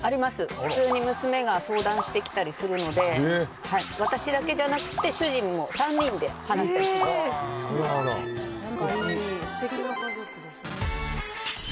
普通に娘が相談してきたりするので、私だけじゃなくて、主人も３すてきな家族ですね。